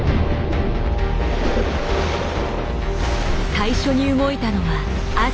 最初に動いたのはアジ。